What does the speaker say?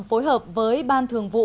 phối hợp với ban thường vụ